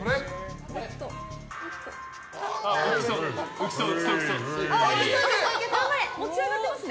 浮きそう。